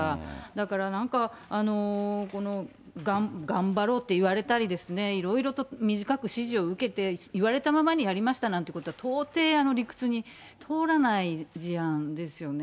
だからなんか、この頑張ろうって言われたり、いろいろと短く指示を受けて、言われたままにやりましたなんてことは、到底、理屈に通らない事案ですよね。